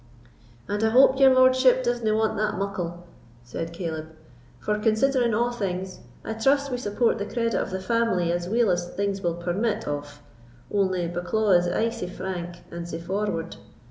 "And I hope your lordship disna want that muckle," said Caleb; "for, considering a' things, I trust we support the credit of the family as weel as things will permit of,—only Bucklaw is aye sae frank and sae forward.